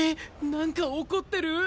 なんか怒ってる？